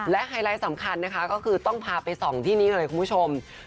และไฮไลท์สำคัญนะคะก็คือต้องพาไปส่องที่นี้เลยคุณผู้ชม